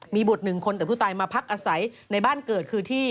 มีบุตรหนึ่งคนแต่ผู้ตายมาพักอาศัยในบ้านเกิดคือที่